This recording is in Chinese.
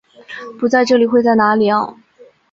不在这里会在哪里啊？